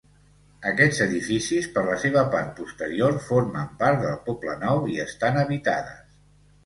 Aquests edificis per la seva part posterior formen part del poble nou i estan habitades.